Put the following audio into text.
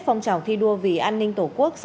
phong trào thi đua vì an ninh tổ quốc